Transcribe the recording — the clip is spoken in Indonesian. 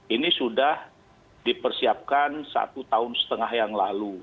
ini sudah dipersiapkan satu tahun setengah yang lalu